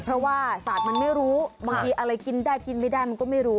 เพราะว่าศาสตร์มันไม่รู้บางทีอะไรกินได้กินไม่ได้มันก็ไม่รู้